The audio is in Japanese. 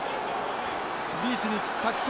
リーチに託す。